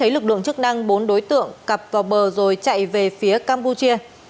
lực lượng chức năng bốn đối tượng cặp vào bờ rồi chạy về phía campuchia